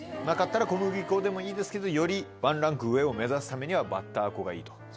なかったら小麦粉でもいいですけどよりワンランク上を目指すためにはバッター粉がいいと。